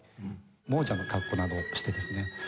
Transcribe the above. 亡者の格好などをしてですね